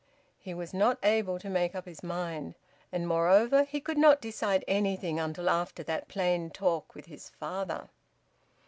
He was not able to make up his mind. And, moreover, he could not decide anything until after that plain talk with his father.